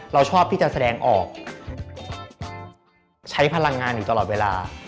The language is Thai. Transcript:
เราชอบที่จะแสดงออกใช้พลังงานอยู่ตลอดเวลา